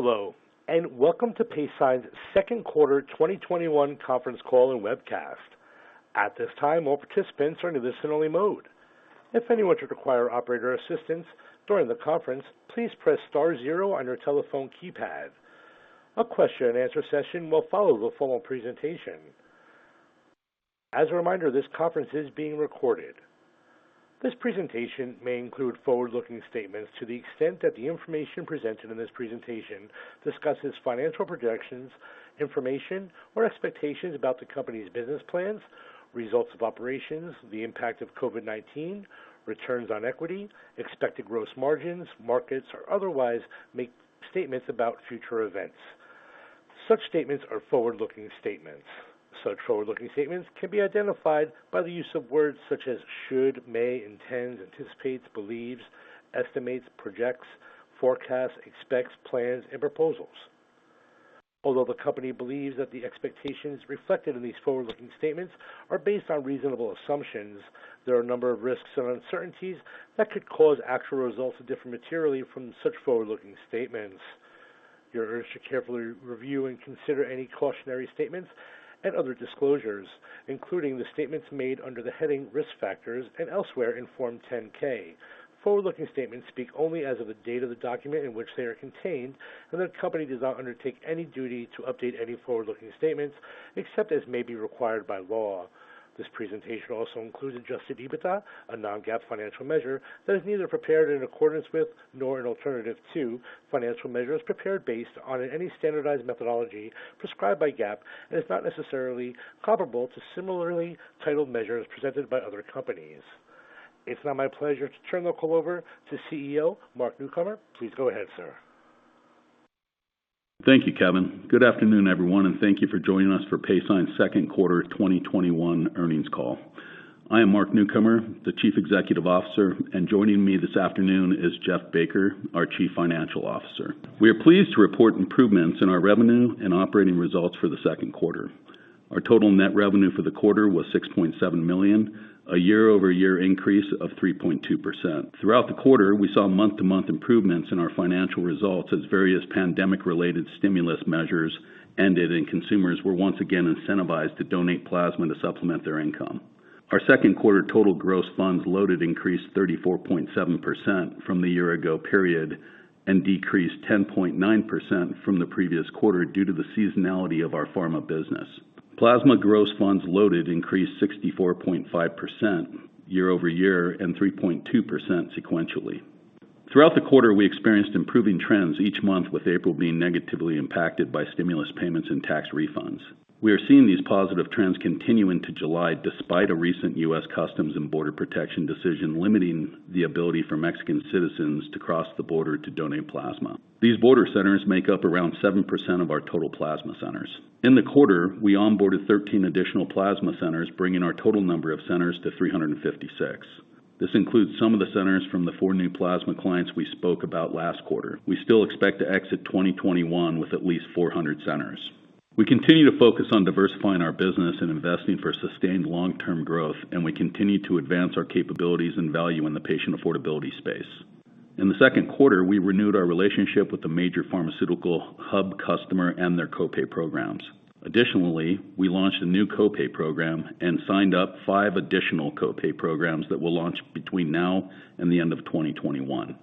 Hello, and welcome to Paysign's Q2 2021 conference call and webcast. At this time, all participants are in listen only mode. If anyone should require operator assistance during the conference, please press star zero on your telephone keypad. A question and answer session will follow the formal presentation. As a reminder, this conference is being recorded. This presentation may include forward-looking statements to the extent that the information presented in this presentation discusses financial projections, information, or expectations about the company's business plans, results of operations, the impact of COVID-19, returns on equity, expected gross margins, markets, or otherwise make statements about future events. Such statements are forward-looking statements. Such forward-looking statements can be identified by the use of words such as should, may, intends, anticipates, believes, estimates, projects, forecasts, expects, plans, and proposals. Although the company believes that the expectations reflected in these forward-looking statements are based on reasonable assumptions, there are a number of risks and uncertainties that could cause actual results to differ materially from such forward-looking statements. You are urged to carefully review and consider any cautionary statements and other disclosures, including the statements made under the heading Risk Factors and elsewhere in Form 10-K. Forward-looking statements speak only as of the date of the document in which they are contained, and the company does not undertake any duty to update any forward-looking statements except as may be required by law. This presentation also includes adjusted EBITDA, a non-GAAP financial measure that is neither prepared in accordance with nor an alternative to financial measures prepared based on any standardized methodology prescribed by GAAP and is not necessarily comparable to similarly titled measures presented by other companies. It's now my pleasure to turn the call over to CEO, Mark Newcomer. Please go ahead, sir. Thank you, Kevin. Good afternoon, everyone, and thank you for joining us for Paysign's second quarter 2021 earnings call. I am Mark Newcomer, the Chief Executive Officer, and joining me this afternoon is Jeffery Baker, our Chief Financial Officer. We are pleased to report improvements in our revenue and operating results for the second quarter. Our total net revenue for the quarter was $6.7 million, a year-over-year increase of 3.2%. Throughout the quarter, we saw month-to-month improvements in our financial results as various pandemic-related stimulus measures ended and consumers were once again incentivized to donate plasma to supplement their income. Our second quarter total gross funds loaded increased 34.7% from the year ago period and decreased 10.9% from the previous quarter due to the seasonality of our pharma business. Plasma gross funds loaded increased 64.5% year over year and 3.2% sequentially. Throughout the quarter, we experienced improving trends each month, with April being negatively impacted by stimulus payments and tax refunds. We are seeing these positive trends continue into July despite a recent U.S. Customs and Border Protection decision limiting the ability for Mexican citizens to cross the border to donate plasma. These border centers make up around 7% of our total plasma centers. In the quarter, we onboarded 13 additional plasma centers, bringing our total number of centers to 356. This includes some of the centers from the four new plasma clients we spoke about last quarter. We still expect to exit 2021 with at least 400 centers. We continue to focus on diversifying our business and investing for sustained long-term growth, and we continue to advance our capabilities and value in the patient affordability space. In the second quarter, we renewed our relationship with a major pharmaceutical hub customer and their co-pay programs. Additionally, we launched a new co-pay program and signed up five additional co-pay programs that will launch between now and the end of 2021.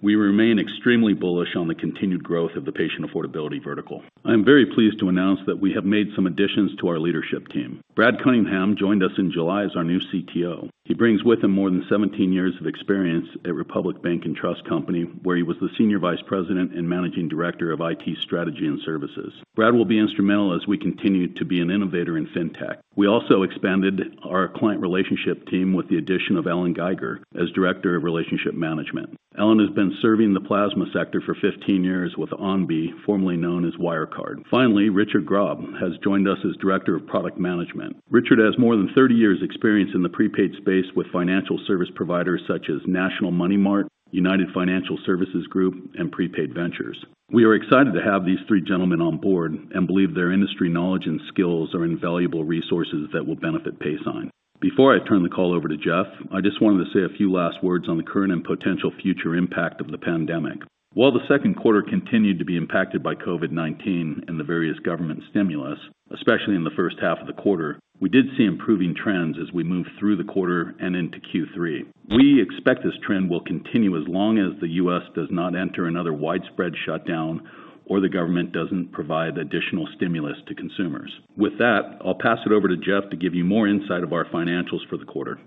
We remain extremely bullish on the continued growth of the patient affordability vertical. I am very pleased to announce that we have made some additions to our leadership team. Brad Cunningham joined us in July as our new CTO. He brings with him more than 17 years of experience at Republic Bank & Trust Company, where he was the Senior Vice President and Managing Director of IT Strategy and Services. Brad will be instrumental as we continue to be an innovator in fintech. We also expanded our client relationship team with the addition of Alan Geiger as Director of Relationship Management. Alan has been serving the plasma sector for 15 years with Onbe, formerly known as Wirecard. Finally, Richard Graub has joined us as Director of Product Management. Richard has more than 30 years experience in the prepaid space with financial service providers such as National Money Mart, United Financial Services Group, and Prepaid Ventures. We are excited to have these three gentlemen on board and believe their industry knowledge and skills are invaluable resources that will benefit Paysign. Before I turn the call over to Jeff, I just wanted to say a few last words on the current and potential future impact of the pandemic. While the second quarter continued to be impacted by COVID-19 and the various government stimulus, especially in the first half of the quarter, we did see improving trends as we moved through the quarter and into Q3. We expect this trend will continue as long as the U.S. does not enter another widespread shutdown or the government doesn't provide additional stimulus to consumers. With that, I'll pass it over to Jeff to give you more insight of our financials for the quarter.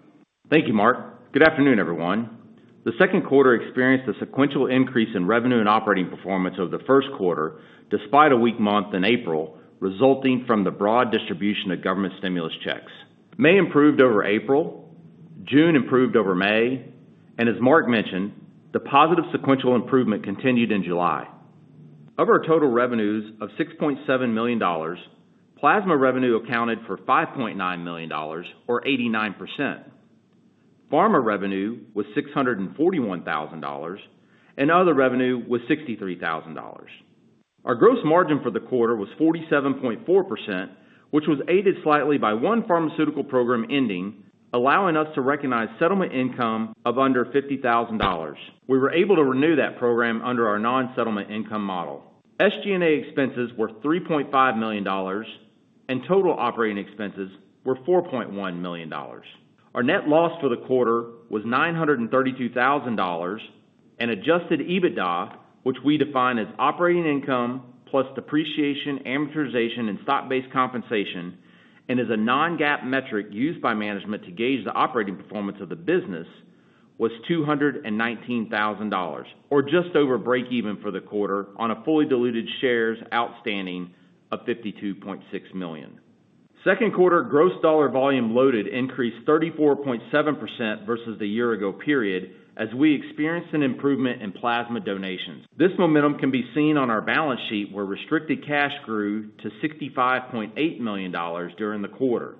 Thank you, Mark. Good afternoon, everyone. The second quarter experienced a sequential increase in revenue and operating performance over the first quarter despite a weak month in April, resulting from the broad distribution of government stimulus checks. May improved over April, June improved over May, as Mark mentioned, the positive sequential improvement continued in July. Of our total revenues of $6.7 million, plasma revenue accounted for $5.9 million, or 89%. Pharma revenue was $641,000, and other revenue was $63,000. Our gross margin for the quarter was 47.4%, which was aided slightly by one pharmaceutical program ending, allowing us to recognize settlement income of under $50,000. We were able to renew that program under our non-settlement income model. SG&A expenses were $3.5 million. Total operating expenses were $4.1 million. Our net loss for the quarter was $932,000. Adjusted EBITDA, which we define as operating income plus depreciation, amortization, and stock-based compensation, and is a non-GAAP metric used by management to gauge the operating performance of the business, was $219,000, or just over breakeven for the quarter on a fully diluted shares outstanding of 52.6 million. Second quarter gross dollar volume loaded increased 34.7% versus the year ago period. We experienced an improvement in plasma donations. This momentum can be seen on our balance sheet, where restricted cash grew to $65.8 million during the quarter.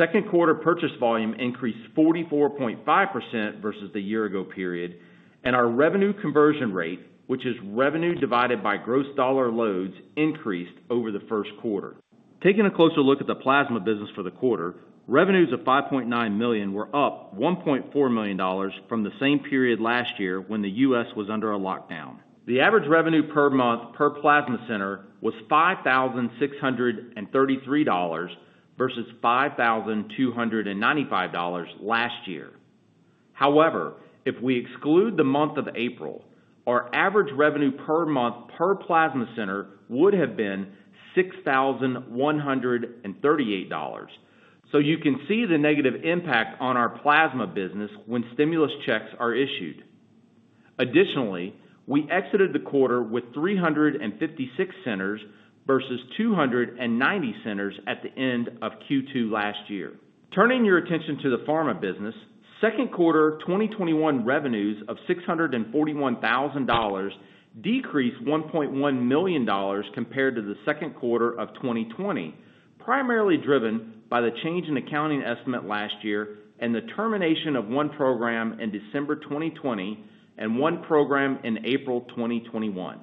Second quarter purchase volume increased 44.5% versus the year ago period. Our revenue conversion rate, which is revenue divided by gross dollar loads, increased over the first quarter. Taking a closer look at the plasma business for the quarter, revenues of $5.9 million were up $1.4 million from the same period last year when the U.S. was under a lockdown. The average revenue per month per plasma center was $5,633 versus $5,295 last year. However, if we exclude the month of April, our average revenue per month per plasma center would have been $6,138, so you can see the negative impact on our plasma business when stimulus checks are issued. Additionally, we exited the quarter with 356 centers versus 290 centers at the end of Q2 last year. Turning your attention to the pharma business, second quarter 2021 revenues of $641,000 decreased $1.1 million compared to the second quarter of 2020, primarily driven by the change in accounting estimate last year and the termination of one program in December 2020 and one program in April 2021.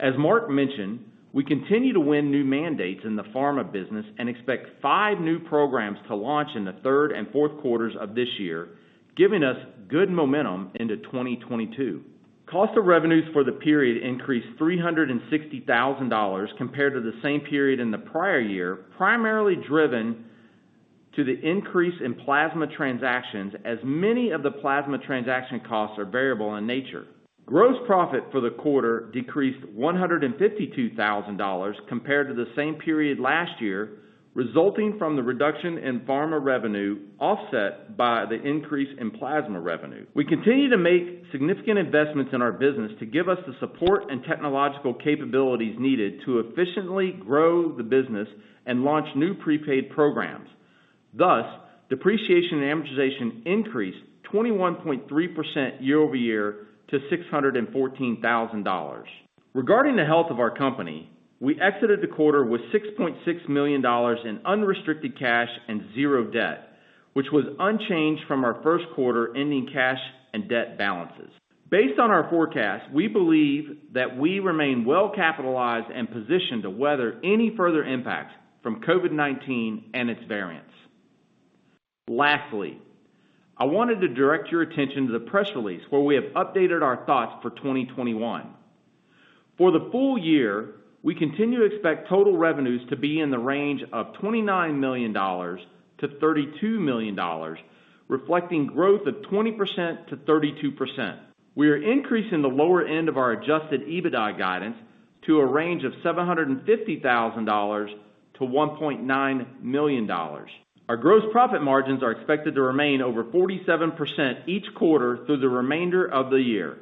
As Mark mentioned, we continue to win new mandates in the pharma business and expect five new programs to launch in the third and fourth quarters of this year, giving us good momentum into 2022. Cost of revenues for the period increased $360,000 compared to the same period in the prior year, primarily driven to the increase in plasma transactions, as many of the plasma transaction costs are variable in nature. Gross profit for the quarter decreased $152,000 compared to the same period last year, resulting from the reduction in pharma revenue, offset by the increase in plasma revenue. We continue to make significant investments in our business to give us the support and technological capabilities needed to efficiently grow the business and launch new prepaid programs. Thus, depreciation and amortization increased 21.3% year-over-year to $614,000. Regarding the health of our company, we exited the quarter with $6.6 million in unrestricted cash and 0 debt, which was unchanged from our first quarter ending cash and debt balances. Based on our forecast, we believe that we remain well capitalized and positioned to weather any further impacts from COVID-19 and its variants. Lastly, I wanted to direct your attention to the press release, where we have updated our thoughts for 2021. For the full year, we continue to expect total revenues to be in the range of $29 million-$32 million, reflecting growth of 20%-32%. We are increasing the lower end of our adjusted EBITDA guidance to a range of $750,000 to $1.9 million. Our gross profit margins are expected to remain over 47% each quarter through the remainder of the year.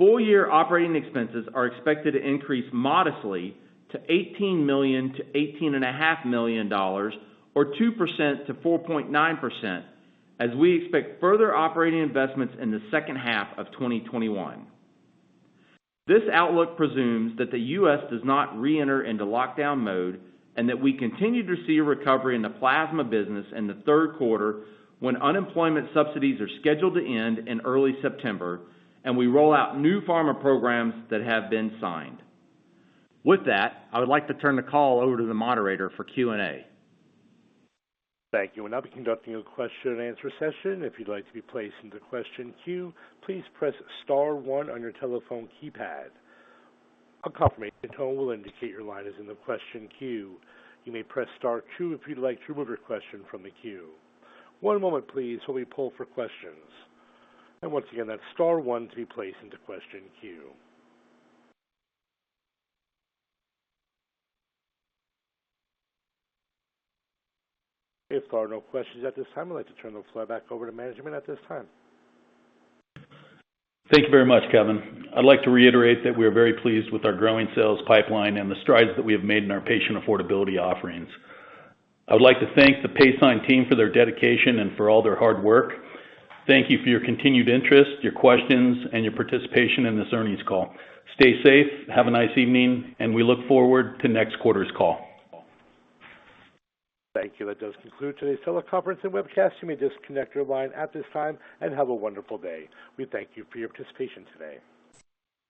Full year operating expenses are expected to increase modestly to $18 million-$18.5 million, or 2%-4.9%, as we expect further operating investments in the second half of 2021. This outlook presumes that the U.S. does not reenter into lockdown mode and that we continue to see a recovery in the plasma business in the third quarter, when unemployment subsidies are scheduled to end in early September and we roll out new pharma programs that have been signed. With that, I would like to turn the call over to the moderator for Q&A. Thank you. We'll now be conducting a question and answer session. If you'd like to be placed into question queue, please press star one on your telephone keypad. A confirmation tone will indicate your line is in the question queue. You may press star two if you'd like to remove your question from the queue. One moment please while we pull for questions. Once again, that's star one to be placed into question queue. If there are no questions at this time, I'd like to turn the floor back over to management at this time. Thank you very much, Kevin. I'd like to reiterate that we are very pleased with our growing sales pipeline and the strides that we have made in our patient affordability offerings. I would like to thank the Paysign team for their dedication and for all their hard work. Thank you for your continued interest, your questions, and your participation in this earnings call. Stay safe, have a nice evening, and we look forward to next quarter's call. Thank you. That does conclude today's teleconference and webcast. You may disconnect your line at this time. Have a wonderful day. We thank you for your participation today.